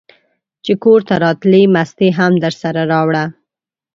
چې کورته راتلې مستې هم درسره راوړه!